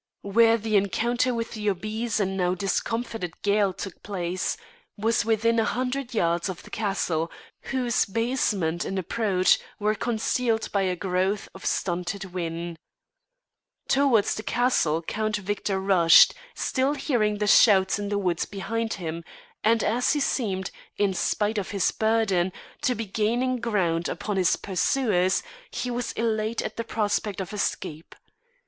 Where the encounter with the obese and now discomfited Gael took place was within a hundred yards of the castle, whose basement and approach were concealed by a growth of stunted whin. Towards the castle Count Victor rushed, still hearing the shouts in the wood behind, and as he seemed, in spite of his burden, to be gaining ground upon his pursuers, he was elate at the prospect of escape.